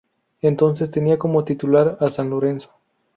Entonces tenía como titular a san Lorenzo.